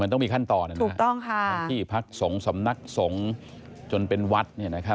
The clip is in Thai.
มันต้องมีขั้นตอนนะลูกที่พักสงฆ์สำนักสงฆ์จนเป็นวัด